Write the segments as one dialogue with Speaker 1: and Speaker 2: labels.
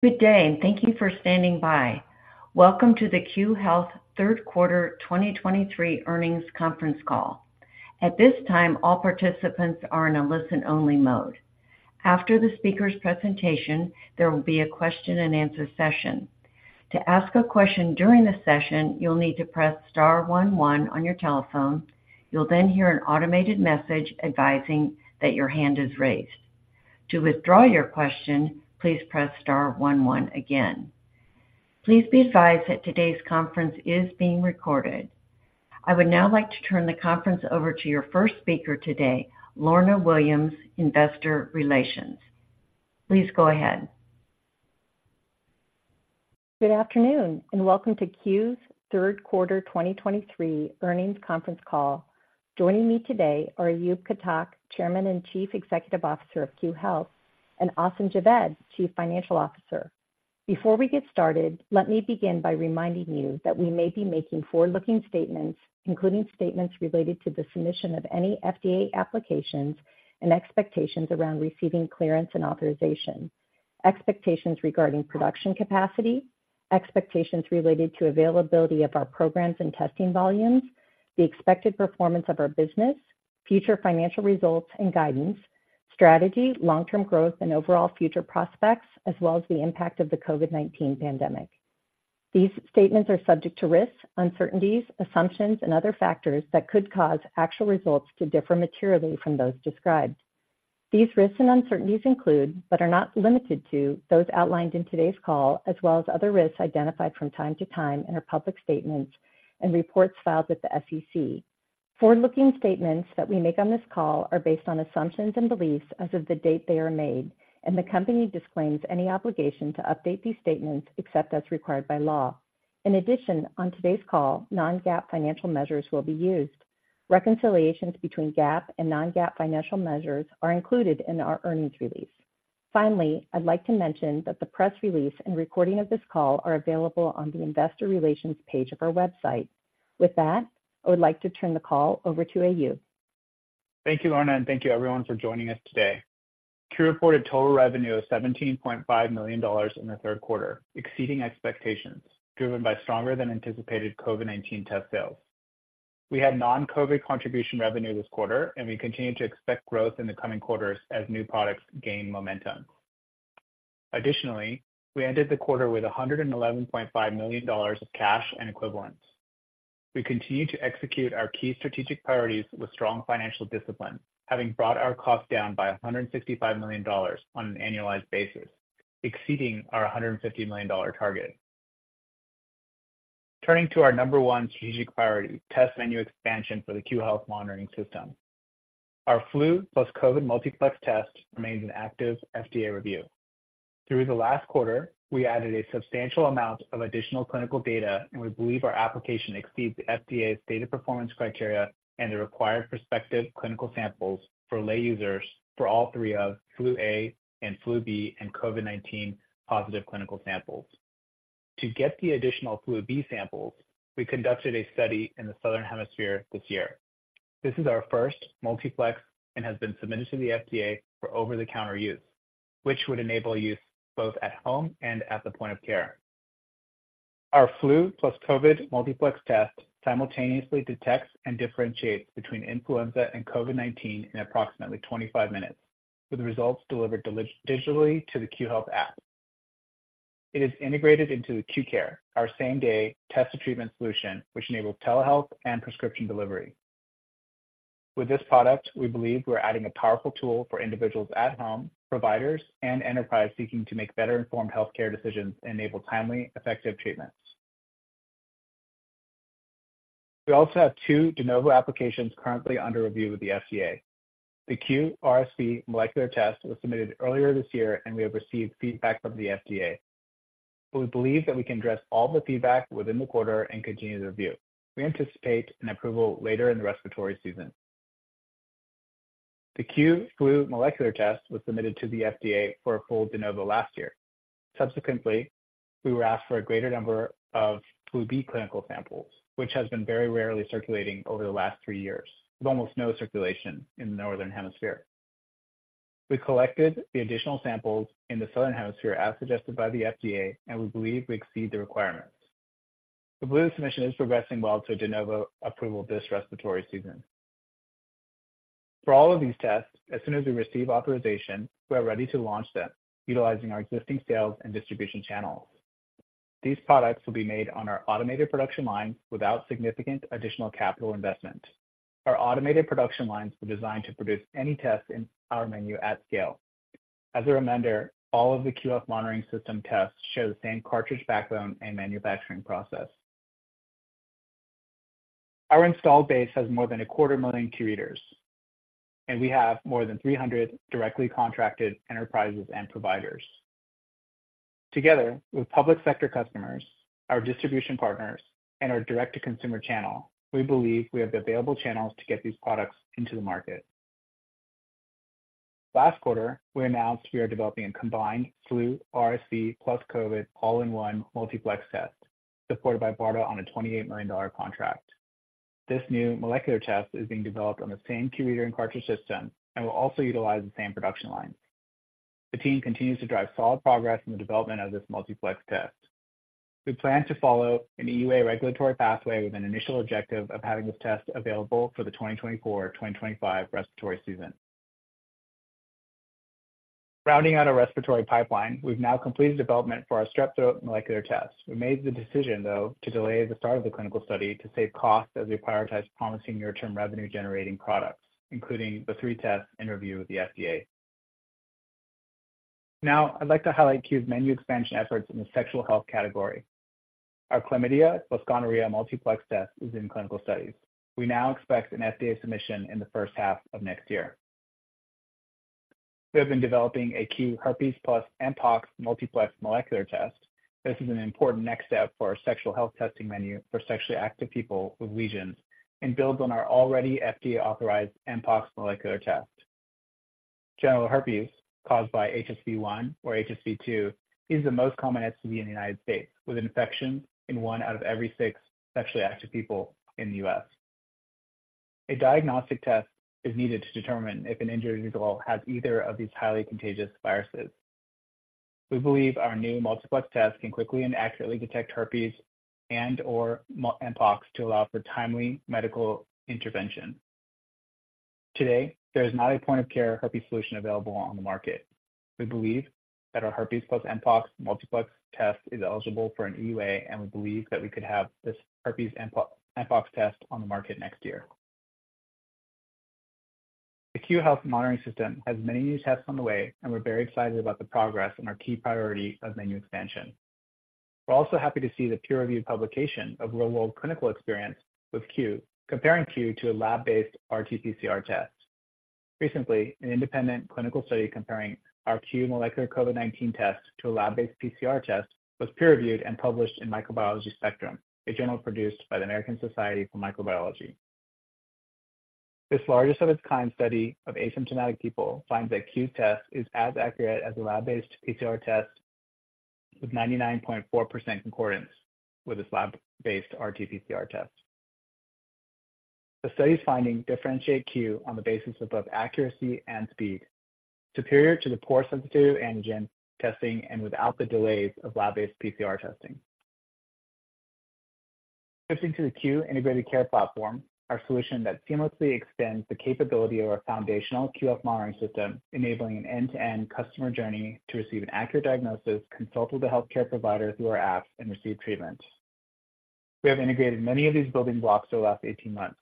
Speaker 1: Good day,
Speaker 2: and thank you for standing by. Welcome to the Q Health Third Quarter 2023 Earnings Conference Call. At this time, all participants are in a listen only mode. After the speakers' presentation, there will be a question and answer that your hand is raised. Please be advised that today's conference is being recorded. I would now like to turn the conference over to your first speaker today, Lorna Williams, Investor Relations. Please go ahead.
Speaker 3: Good afternoon, and welcome to Q's Q3 2023 earnings conference call. Joining me today are Ayub Khattak, Chairman and Chief Executive Officer of Q Health and Asim Javed, Chief Financial Officer. Before we get started, let me begin by reminding you that we may be making forward looking statements, including statements related to the submission of any FDA applications and expectations around receiving clearance and authorization expectations regarding production capacity related to availability of our programs and testing volumes, the expected performance of our business, future financial results and guidance, strategy, long term growth and overall future prospects as well as the impact of the COVID-nineteen pandemic. These statements are subject to risks, uncertainties, assumptions and other factors that could cause actual results to differ materially from those described. These risks and uncertainties include, but are not limited to those outlined in today's call as well as other risks identified from time to time in our public statements and reports filed with the SEC. Forward looking statements that we make on this call are based on assumptions and beliefs as of the date they are made, and the company disclaims any obligation to update these statements except as filed by law. In addition, on today's call, non GAAP financial measures will be used. Reconciliations between GAAP and non GAAP financial measures are included in our earnings release. Finally, I'd like to mention that the press release and recording of this call are available on the Investor Relations page of our website. With that, I would like to turn the call over to A. Yu.
Speaker 4: Yu:] Thank you, Lorna, and thank you everyone for joining us today. CURE reported total revenue of $17,500,000 in the 3rd quarter, exceeding expectations, driven by stronger than anticipated COVID-nineteen test sales. We had non COVID contribution revenue this quarter and we continue to expect growth in the coming quarters as new products gain momentum. Additionally, we ended the quarter with $111,500,000 of cash and equivalents. We continue to execute our key strategic priorities Strong financial discipline, having brought our costs down by $165,000,000 on an annualized basis, exceeding our $150,000,000 target. Turning to our number one strategic priority, test venue expansion for the Q Health monitoring system. Our flu plus COVID multiplex test remains an active FDA review. Through the last quarter, we added a Substantial amount of additional clinical data and we believe our application exceeds FDA's data performance criteria and the required prospective clinical samples for lay users for all three of Flu A and Flu B and COVID-nineteen positive clinical samples. To get the additional Flu B samples, We conducted a study in the Southern Hemisphere this year. This is our first multiplex and has been submitted to the FDA for over the counter use, which would enable use both at home and at the point of care. Our flu plus COVID multiplex test Simultaneously detects and differentiates between influenza and COVID-nineteen in approximately 25 minutes, with the results delivered digitally to the Q Health app. It is integrated into Q Care, our same day test to treatment solution, which enables telehealth and prescription delivery. With this product, we believe we're adding a powerful tool for individuals at home, providers and enterprise seeking to make better informed healthcare decisions and enable We also have 2 de novo applications currently under review with the FDA. The QRSV molecular test was submitted earlier this year and we have received feedback from the FDA. We believe that we can address all the feedback within the quarter and continue We anticipate an approval later in the respiratory season. The Q Flue molecular test was submitted to the FDA for a full de novo last year. Subsequently, we were asked for a greater number of flu B clinical samples, which has been very rarely circulating over the last 3 years, Almost no circulation in the Northern Hemisphere. We collected the additional samples in the Southern Hemisphere as suggested by the FDA and we believe we exceed the requirements. The blue submission is progressing well to de novo approval this respiratory season. For all of these tests, as soon as we receive authorization, We're ready to launch them, utilizing our existing sales and distribution channels. These products will be made on our automated production lines without significant additional capital investment. Our automated production lines were designed to produce any test in our menu at scale. As a reminder, all of the QF monitoring system tests Show the same cartridge backbone and manufacturing process. Our installed base has more than a quarter 1000000 curators And we have more than 300 directly contracted enterprises and providers. Together with public sector customers, our distribution partners and our direct to consumer channel, we believe we have the available channels to get these products into the market. Last quarter, we announced we are developing a combined flu RSV plus COVID all in one multiplex test supported by BARDA on a $28,000,000 contract. This new molecular test is being developed on the same Q reader and cartridge system and will also utilize the same production line. The team continues to drive solid progress in the development of this multiplex test. We plan to follow an EUA regulatory pathway with an initial objective of having this test available for the 2024, 2025 respiratory season. Rounding out our respiratory pipeline, we've now completed development for We made the decision though to delay the start of the clinical study to save costs as we prioritize promising near term revenue generating products, including the 3 tests interview with the FDA. Now, I'd like to highlight Cube's menu expansion efforts in the sexual health category. Our chlamydia plus gonorrhea multiplex test is in clinical studies. We now expect an FDA submission in the first half of next year. We have been developing a key herpes plus and pox multiplex molecular test. This is an important next for sexual health testing menu for sexually active people with lesions and builds on our already FDA authorized mpox molecular test. General herpes caused by HSV-one or HSV-two is the most common STD in the United States with infection in 1 out of every 6 Actually active people in the U. S. A diagnostic test is needed to determine if an injured individual has either of these highly contagious viruses. We believe our new multiplex test can quickly and accurately detect herpes and or mpox to allow for timely medical intervention. Today, there is not a point of care herpes solution available on the market. We believe that our herpes plus mpox multiplex test is eligible for an EUA and we believe that we could have this herpes mpox test on the market next year. The Q Health monitoring system has many new tests on the way and we're very excited about the progress and our key priority of menu expansion. We're also happy to see the peer reviewed publication of real world clinical experience with CUE comparing CUE to a lab based RT PCR test. Recently, an independent clinical study comparing our Q molecular COVID-nineteen test to a lab based PCR test was peer reviewed and published in Microbiology Spectrum, a journal produced by the American Society For Microbiology. This largest of its kind study of asymptomatic people finds that Q test Is as accurate as the lab based PCR test with 99.4% concordance with this lab based RT PCR test. The study's findings differentiate Q on the basis of both accuracy and speed, superior to the poor sensitive antigen Testing and without the delays of lab based PCR testing. Shifting to the Q integrated care platform, Our solution that seamlessly extends the capability of our foundational QF monitoring system, enabling an end to end customer journey to receive an accurate diagnosis, Consulted to healthcare providers who are apps and receive treatments. We have integrated many of these building blocks over the last 18 months.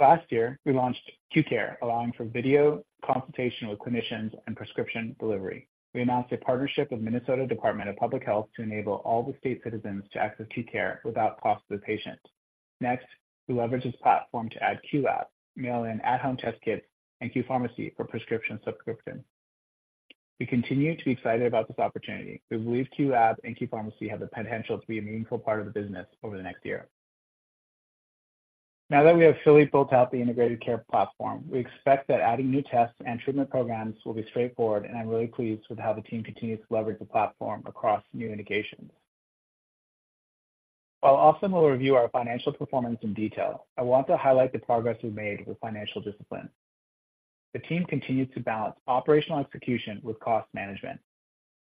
Speaker 4: Last year, we launched QCARE, allowing for video consultation with clinicians and prescription delivery. We announced a partnership with Minnesota Department Public Health to enable all the state citizens to access Q care without cost of the patient. Next, we leverage this platform to add QLab, mail in at home test kits AnQ Pharmacy for prescription subcription. We continue to be excited about this opportunity. We believe QAb and AnQ Pharmacy have the potential to be a meaningful part of the business over the next year. Now that we have fully built out the integrated care platform, we expect that adding new tests and treatment programs will be straightforward and I'm really pleased with how the team continues to leverage While Austin will review our financial performance in detail, I want to highlight the progress we've made with financial discipline. The team continues to balance operational execution with cost management.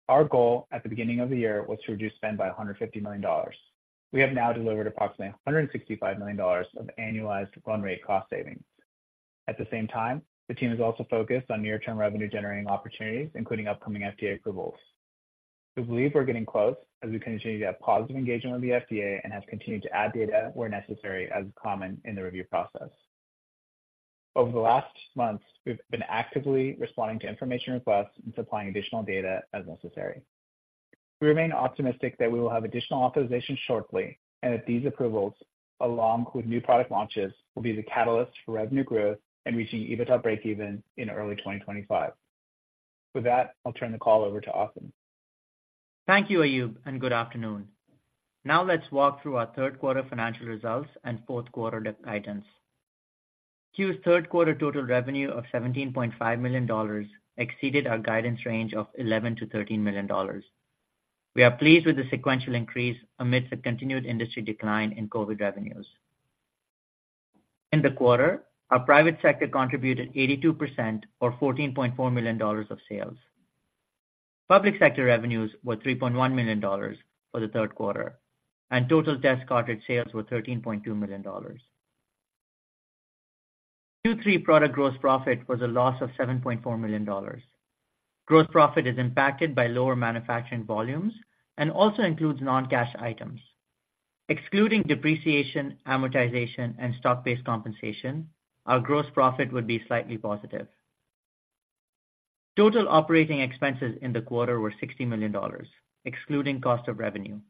Speaker 4: Our goal at the beginning of the year was to reduce spend by $150,000,000 We have now delivered approximately $165,000,000 of annualized run rate cost savings. At the same time, the team is also focused on near term revenue generating opportunities, including We believe we're getting close as we continue to have positive engagement with the FDA and have continued to add data where necessary as common in the review process. Over the last months, we've been actively responding to information requests and supplying additional data as necessary. We remain optimistic that we will have additional authorization shortly and that these approvals along with new product launches will be the catalyst for revenue growth and we see EBITDA breakeven in early 2025. With that, I'll turn the call over to Austin.
Speaker 1: Thank you, Ayub, and good afternoon. Now let's walk through our Q3 financial results and 4th quarter guidance. Q3 total revenue of $17,500,000 exceeded our guidance range of $11,000,000 to $13,000,000 We are pleased with the sequential increase amidst the continued industry decline in COVID revenues. In the quarter, our private sector contributed 82% or $14,400,000 of sales. Public sector revenues were $3,100,000 for the 3rd quarter and total desk cartridge sales were $13,200,000 Q3 product gross profit was a loss of $7,400,000 Gross profit is impacted by lower manufacturing volumes and also includes non cash items. Excluding depreciation, amortization and stock based compensation, our gross profit would be slightly positive. Total operating expenses in the quarter were $60,000,000 excluding cost of revenue.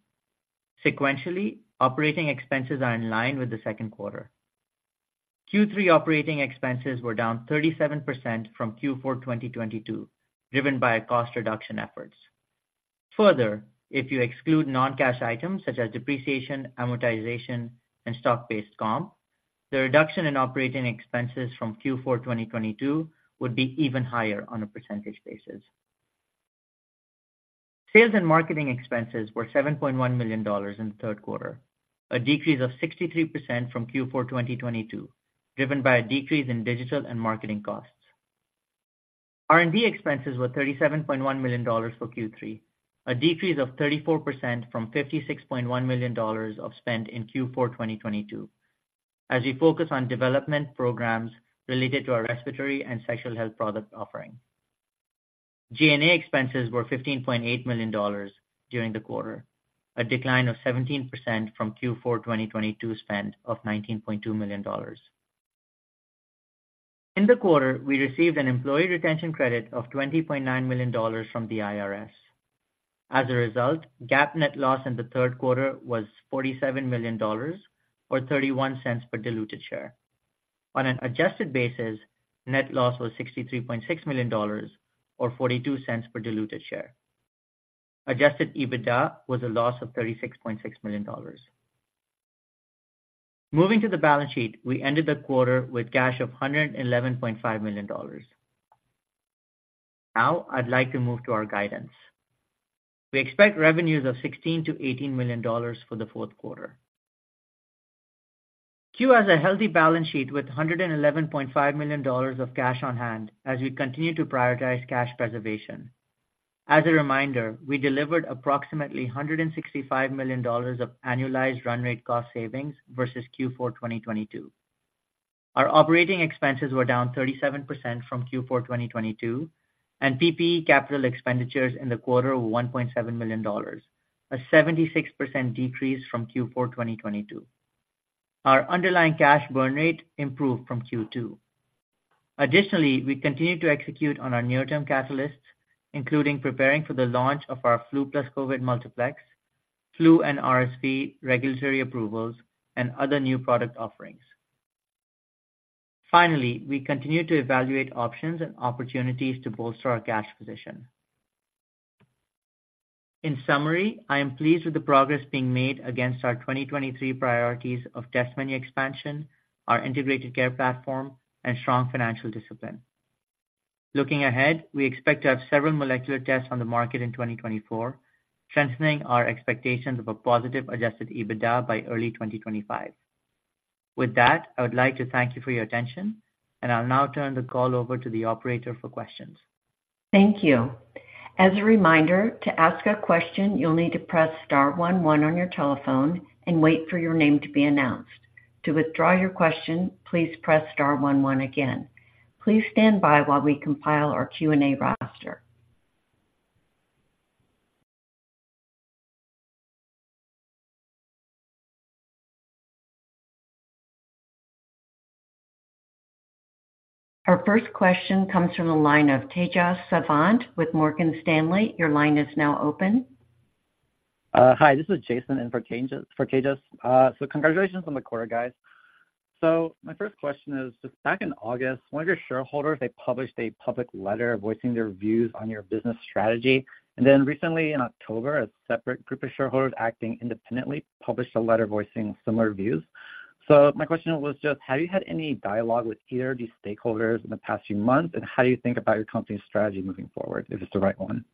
Speaker 1: Sequentially, Operating expenses are in line with the 2nd quarter. Q3 operating expenses were down 37% from Q4 2022, driven by cost reduction efforts. Further, if you exclude non cash items such as depreciation, amortization and stock based comp, The reduction in operating expenses from Q4 2022 would be even higher on a percentage basis. Sales and marketing expenses were $7,100,000 in the 3rd quarter, a decrease of 63% from Q4 2022, driven by a decrease in digital and marketing costs. R and D expenses were $37,100,000 for Q3, a decrease of 34 percent from $56,100,000 of spend in Q4 2022, as we focus on development programs related to our respiratory and sexual health product offering. G and A expenses were $15,800,000 during the quarter, a decline of 17% from Q4 2022 spend of $19,200,000 In the quarter, we received an employee retention credit of $20,900,000 from the IRS. As a result, GAAP net loss in the 3rd quarter was $47,000,000 or $0.31 per diluted share. On an adjusted basis, net loss was $63,600,000 or $0.42 per diluted share. Adjusted EBITDA was a loss of $36,600,000 Moving to the balance sheet, we ended the quarter with cash of $111,500,000 Now I'd like to move to our guidance. We expect revenues of $16,000,000 to $18,000,000 for the 4th quarter. CU has a healthy balance sheet with $111,500,000 of cash on hand as we continue to prioritize cash preservation. As a reminder, we delivered approximately $165,000,000 of annualized run rate cost savings versus Q4 2022. Our operating expenses were down 37% from Q4 2022 and PPE capital expenditures in the quarter were $1,700,000 a 76% decrease from Q4 2022. Our underlying cash burn rate improved from Q2. Additionally, we continue to execute on our near term catalysts, including preparing for the launch of our flu plus COVID multiplex, flu and RSV, regulatory approvals and other new product offerings. Finally, we continue to evaluate options and opportunities to bolster our cash position. In summary, I am pleased with the progress being made against our 2023 priorities of test expansion, our integrated care platform and strong financial discipline. Looking ahead, we expect to have several molecular tests on the market in 2024, strengthening our expectations of a positive adjusted EBITDA by early 2025. With that, I would like to thank you for your attention. And I'll now turn the call over to the operator for questions. Thank
Speaker 2: Our first question comes from the line of Tejas Savant with Morgan Stanley. Your line is now open.
Speaker 5: Hi, this is Jason in for Cajun for Cajun. So congratulations on the quarter guys. So my first question is just back in August, one of your shareholders, they Published a public letter voicing their views on your business strategy. And then recently in October, a separate group of shareholders acting independently published a letter voicing similar views. So my question was just, have you had any dialogue with either of these stakeholders in the past few months? And how do you think about your company's strategy moving forward? Is this the right one?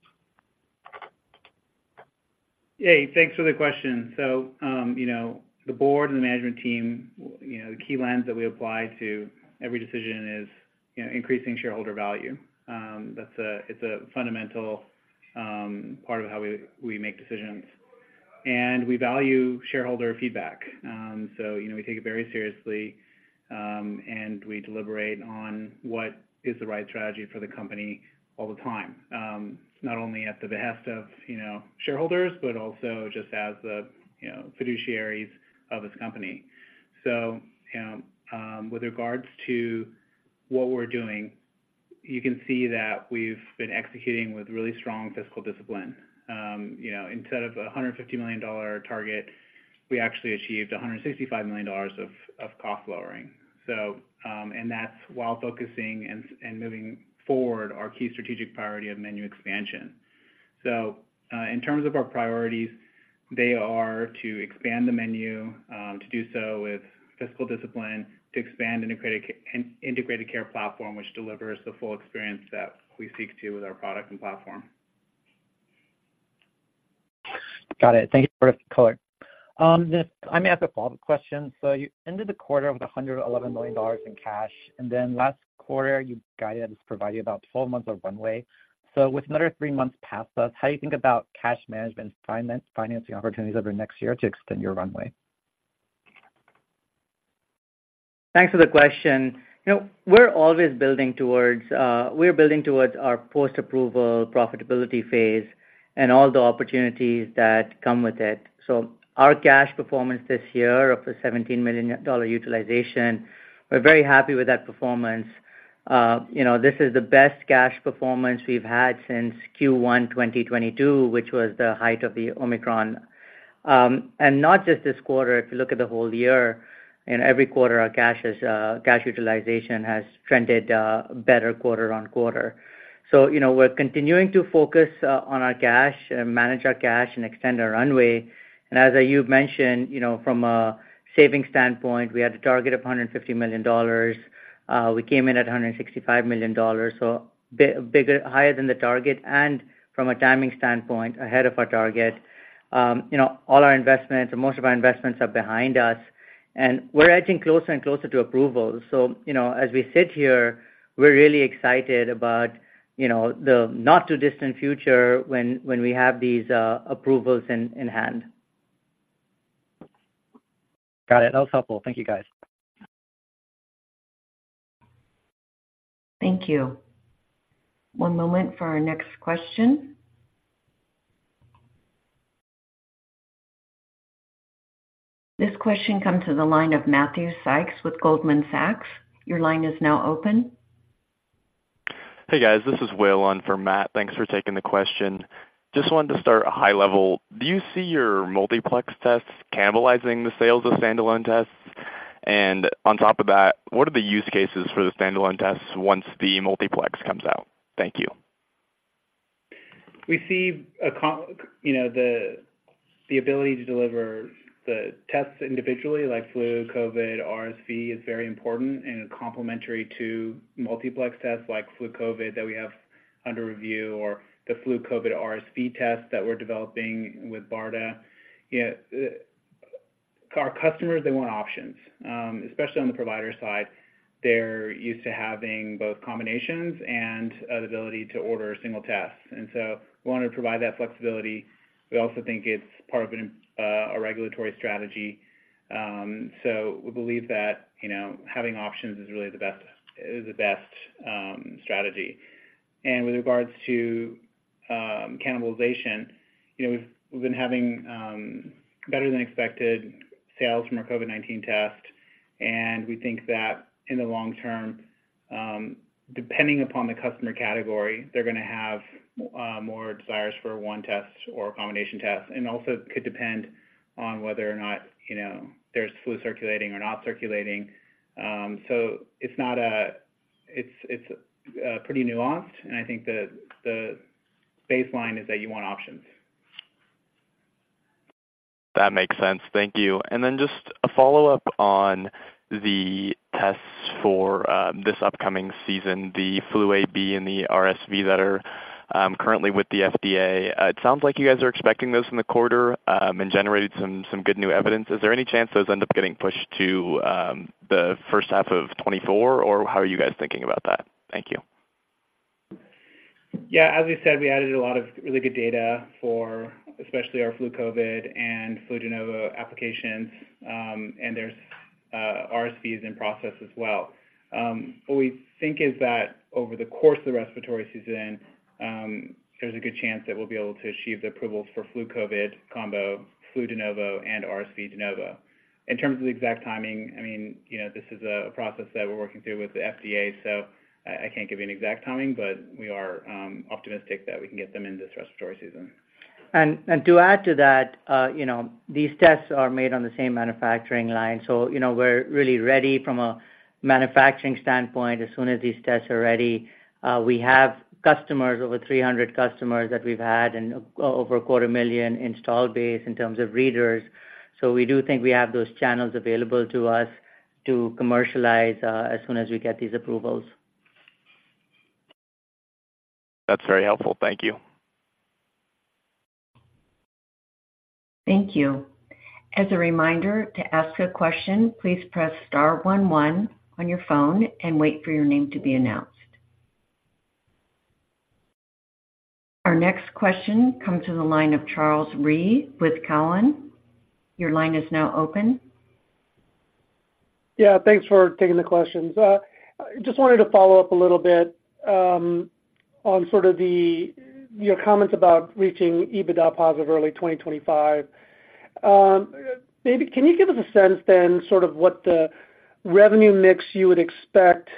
Speaker 6: Hey, thanks for the question. So the Board and the management team, the key lens that we apply to every decision is Increasing shareholder value. That's a it's a fundamental part of how we make decisions. And we value shareholder feedback. So we take it very seriously and we deliberate on what It's the right strategy for the company all the time, not only at the behest of shareholders, but also just as the fiduciaries Of this company. So with regards to what we're doing, you can see that we've Been executing with really strong fiscal discipline. Instead of $150,000,000 target, we actually achieved $165,000,000 of cost lowering. So, and that's while focusing and moving forward our key strategic priority of menu expansion. So, in terms of our priorities, They are to expand the menu, to do so with fiscal discipline, to expand and integrated care platform, which delivers the full experience that We seek to with our product and platform.
Speaker 5: Got it. Thanks for the color. I may ask a follow-up question. So you End of the quarter with $111,000,000 in cash. And then last quarter, you guided to provide you about 12 months of runway. So with another 3 months past us, how do you think about Cash management financing opportunities over next year to extend your runway.
Speaker 1: Thanks for the question. We're always building towards we're building towards our post approval profitability phase and all the opportunities that come with it. So Our cash performance this year of the $17,000,000 utilization, we're very happy with that performance. This is the best cash performance we've had Since Q1 2022, which was the height of the Omicron. And not just this quarter, if you look at the whole year And every quarter our cash utilization has trended better quarter on quarter. So we're continuing to focus on our cash, Manage our cash and extend our runway. And as you've mentioned, from a savings standpoint, we had a target of $150,000,000 We came in at $165,000,000 so bigger higher than the target and from a timing standpoint ahead of our target. All our investments and most of our investments are behind us and we're, I think, closer and closer to approval. So as we sit here, We're really excited about the not too distant future when we have these approvals in hand.
Speaker 5: Got it. That was helpful. Thank you, guys.
Speaker 2: Thank you. One moment for our next question. This question comes from the line of Matthew Sykes with Goldman Sachs. Your line is now open.
Speaker 7: Hey, guys. This is Will on for Matt. Thanks for taking the question. Just wanted to start high level. Do you see your multiplex tests cannibalizing the sales of standalone tests? And on top of that, what are the use cases for the standalone tests once the multiplex comes out? Thank you.
Speaker 1: We see
Speaker 6: the ability to deliver the tests individually like flu, COVID RSV is very important and complementary to multiplex tests like flu COVID that we have under review or The flu COVID RSV test that we're developing with BARDA, our customers they want options, especially on the provider side. They're used to having both combinations and the ability to order a single test. And so we want to provide that flexibility. We also think it's part of a regulatory strategy. So we believe that having options is really the best It was the best strategy. And with regards to cannibalization, we've been having Better than expected sales from our COVID-nineteen test. And we think that in the long term, Depending upon the customer category, they're going to have more desires for one test or combination test and also could depend on whether or not there's flu circulating or not circulating. So it's not a it's Pretty nuanced and I think the baseline is that you want options.
Speaker 7: That makes sense. Thank you. And then just a follow-up on the tests for this upcoming Season, the flu AB and the RSV that are currently with the FDA, it sounds like you guys are expecting those in the quarter And generated some good new evidence. Is there any chance those end up getting pushed to the first half of twenty twenty four? Or how are you guys thinking about that? Thank you.
Speaker 6: Yes. As we said, we added a lot of really good data for especially our flu COVID and flu genova applications, and there's RSV is in process as well. What we think is that over the course of the respiratory season, there There's a good chance that we'll be able to achieve the approval for flu COVID combo, flu de novo and RSV de novo. In terms of the exact timing, I Yes, this is a process that we're working through with the FDA. So I can't give you an exact timing, but we are optimistic that we can get them into this respiratory season.
Speaker 1: And to add to that, these tests are made on the same manufacturing line. So we're really ready from a Manufacturing standpoint, as soon as these tests are ready, we have customers over 300 customers that we've had and Over a quarter million installed base in terms of readers. So we do think we have those channels available to us to commercialize as soon as we get these approvals.
Speaker 7: That's very helpful. Thank you.
Speaker 2: Thank you. Our next question comes from the line of Charles Rhyee with Cowen. Your line is now open.
Speaker 8: Yes. Thanks for taking the questions. Just wanted to follow-up a little bit on sort of the Your comments about reaching EBITDA positive early 2025. Maybe can you give us a sense then sort of what the Revenue mix you would expect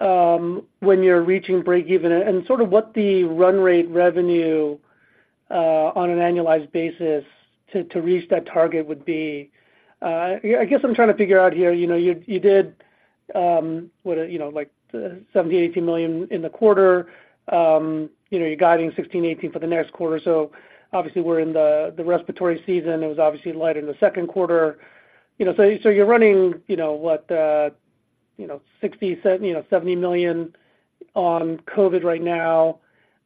Speaker 8: when you're reaching breakeven and sort of what the run rate revenue On an annualized basis to reach that target would be, I guess I'm trying to figure out here, you did Like $70,000,000 $80,000,000 in the quarter. You're guiding $16,000,000 $18,000,000 for the next quarter. So Obviously, we're in the respiratory season. It was obviously light in the second quarter. So you're running, what, $60,000,000 $70,000,000 on COVID right now.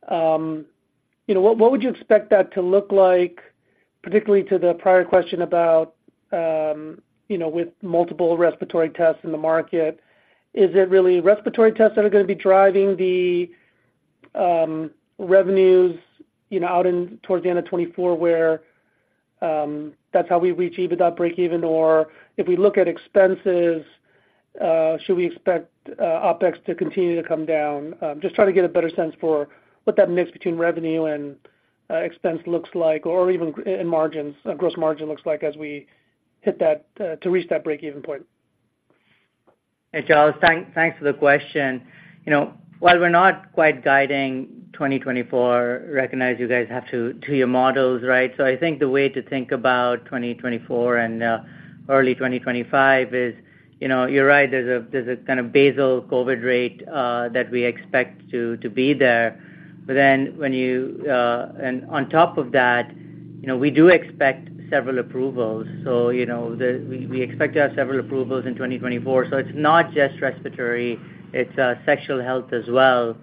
Speaker 8: What would you expect that to look like, Particularly to the prior question about with multiple respiratory tests in the market, is it really respiratory tests that are going to be driving the Revenues out in towards the end of 'twenty four where that's how we reach EBITDA breakeven or If we look at expenses, should we expect OpEx to continue to come down? Just trying to get a better sense for What that mix between revenue and expense looks like or even in margins gross margin looks like as we hit that to reach that breakeven point?
Speaker 1: Hey, Charles. Thanks for the question. While we're not quite guiding 2024, recognize you guys have to To your models, right. So I think the way to think about 2024 and early 2025 is, you're right, there's a kind of basal COVID rate That we expect to be there. But then when you and on top of that, we do expect Several approvals. So we expect to have several approvals in 2024. So it's not just respiratory, it's a sexual health as well.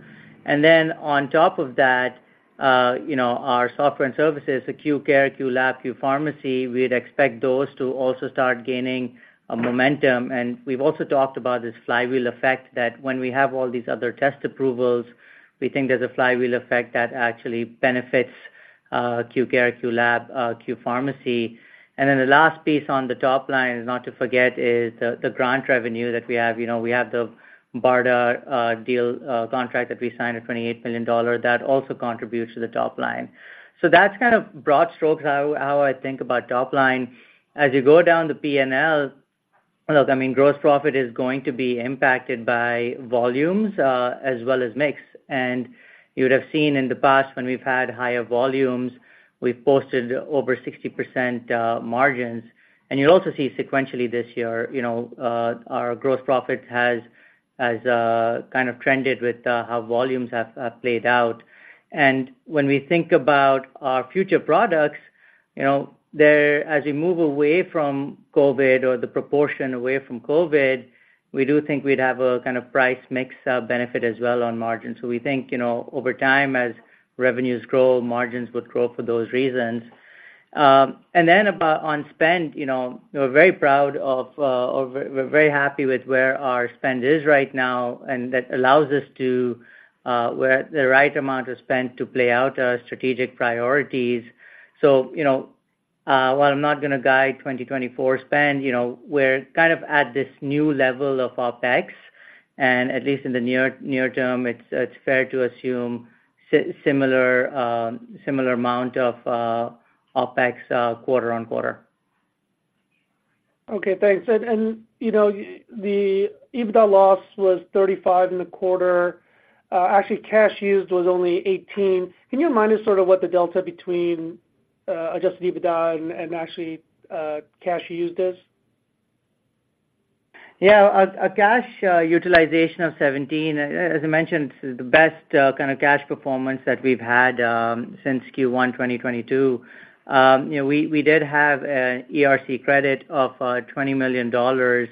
Speaker 1: And then on top of that, our software and services, the Q Care, Q Lab, Q Pharmacy, we'd expect those to also start gaining A momentum and we've also talked about this flywheel effect that when we have all these other test approvals, we think there's a flywheel effect that actually benefits Q Care, Q Lab, Q Pharmacy. And then the last piece on the top line is not to forget is the grant revenue that we have. We have the BARDA deal contract that we signed a $28,000,000 that also contributes to the top line. So that's kind of broad strokes how I think about top line. As you go down the P and L, look, I mean gross profit is going to be impacted by volumes as well as mix. And You would have seen in the past when we've had higher volumes, we've posted over 60% margins. And you'll also see sequentially Our gross profit has kind of trended with how volumes have played out. And when we think about our future products, there as we move away from COVID or the proportion away from COVID, We do think we'd have a kind of price mix benefit as well on margins. So we think over time as revenues grow, margins would grow for those reasons. And then about on spend, we're very proud of we're very happy with where our spend is right now and that allows us to We're at the right amount of spend to play out our strategic priorities. So while I'm not going to guide Similar amount of OpEx quarter on quarter.
Speaker 8: Okay, thanks. And the EBITDA loss was $35,000,000 in the quarter. Actually cash used was only 18,000,000 you remind us sort of what the delta between adjusted EBITDA and actually cash used is?
Speaker 1: Yes. Our cash utilization of 17, as I mentioned, this is the best kind of cash Four months that we've had since Q1 2022. We did have an ERC credit of $20,000,000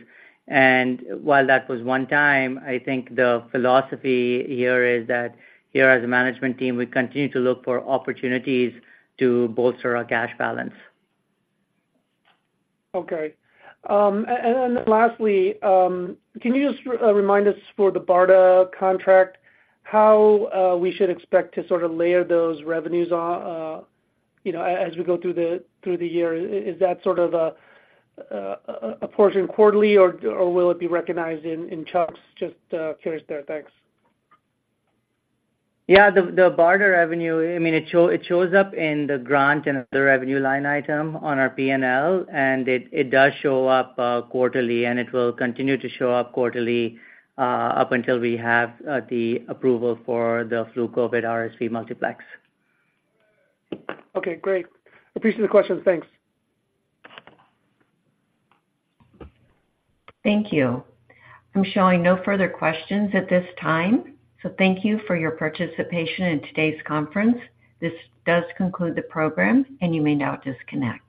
Speaker 1: And while that was one time, I think the philosophy here is that here as a management team, we continue to look for opportunities to bolster our cash balance.
Speaker 8: Okay. And then lastly, can you just remind us For the BARDA contract, how we should expect to sort of layer those revenues as we go through the year? Is that sort of A portion of quarterly or will it be recognized in chunks? Just curious there. Thanks.
Speaker 1: Yes. The barter revenue, I mean, it shows up in the grant and the revenue line item on our P and L and it does show up Quarterly and it will continue to show up quarterly, up until we have the approval for the flu COVID RSV multiplex.
Speaker 8: Okay, great. Appreciate the questions. Thanks.
Speaker 2: Thank you. I'm showing no further questions at this time. So thank you for your participation in today's conference. This does conclude the program and you may now disconnect.